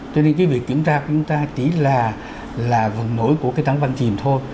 cho nên cái việc kiểm tra của chúng ta chỉ là vận nổi của cái tăng văn trình thôi